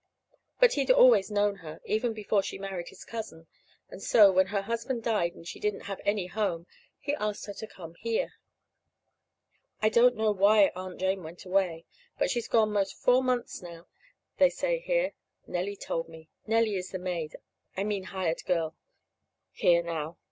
But he'd always known her, even before she married his cousin; and so, when her husband died, and she didn't have any home, he asked her to come here. I don't know why Aunt Jane went away, but she's been gone 'most four months now, they say here. Nellie told me. Nellie is the maid I mean hired girl here now.